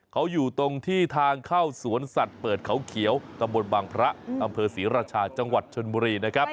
เขาอยู่ตรงที่ทางเข้าสวนสัตว์เปิดเขาเขียวตำบลบางพระอำเภอศรีราชาจังหวัดชนบุรีนะครับ